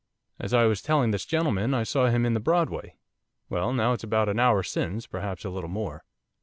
As I was telling this gentleman I saw him in the Broadway, well, now it's about an hour since, perhaps a little more.